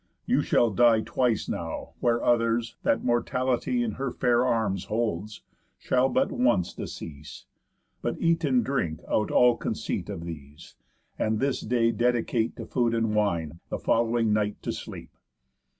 You shall die Twice now, where others, that Mortality In her fair arms holds, shall but once decease. But eat and drink out all conceit of these, And this day dedicate to food and wine, The following night to sleep.